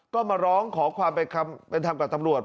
ก็มาร้องขอความเป็นธรรมกับตำรวจ